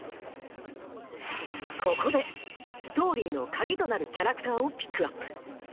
ここでストーリーの鍵となるキャラクターをピックアップ！